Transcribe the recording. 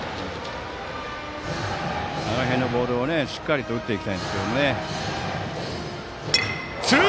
あの辺のボールをしっかりと打っていきたいです。